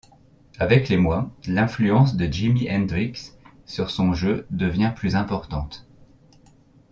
Avec les mois, l'influence de Jimi Hendrix sur son jeu devient plus importante.